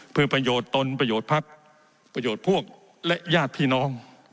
เพื่อประโยชน์ตนประโยชน์พักประโยชน์พวกและญาติพี่น้อง